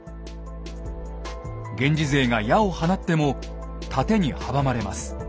源氏勢が矢を放っても楯に阻まれます。